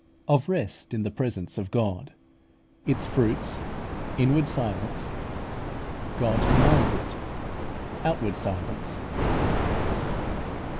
OF REST IN THE PRESENCE OF GOD ITS FRUITS INWARD SILENCE GOD COMMANDS IT OUTWARD SILENCE.